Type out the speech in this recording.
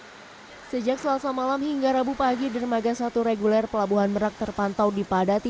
hai sejak selasa malam hingga rabu pagi di remagas satu reguler pelabuhan merak terpantau dipadati